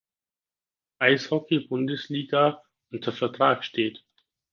Eishockey-Bundesliga unter Vertrag steht.